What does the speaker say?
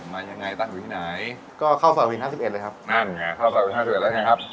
มายังไงตั้งอยู่ที่ไหนก็เข้าซอยวินห้าสิบเอ็ดเลยครับนั่นไงเข้าซอยวิห้าสิบเอ็แล้วไงครับ